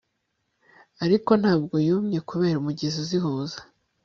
Ariko ntabwo yumye kubera umugezi uzihuza